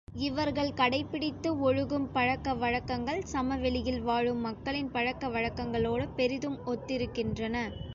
இவர்கள் கடைப்பிடித்து ஒழுகும் பழக்க வழக்கங்கள், சமவெளி யில் வாழும் மக்களின் பழக்க வழக்கங்களோடு பெரிதும் ஒத்திருக்கின்றன.